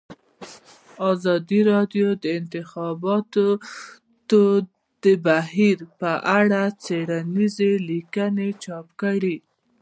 ازادي راډیو د د انتخاباتو بهیر په اړه څېړنیزې لیکنې چاپ کړي.